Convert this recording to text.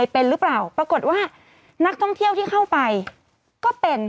ปรากฏว่านักท่องเที่ยวที่เข้าไปก็เป็น